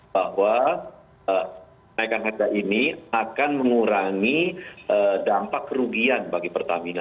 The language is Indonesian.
bahwa kenaikan harga ini akan mengurangi dampak kerugian bagi pertamina